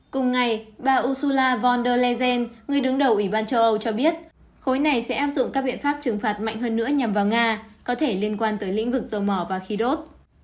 cùng ngày bà ursula von der leygen người đứng đầu ủy ban châu âu cho biết khối này sẽ áp dụng các biện pháp trừng phạt mạnh hơn nữa nhằm vào nga có thể liên quan tới lĩnh vực dầu mỏ và khí đốt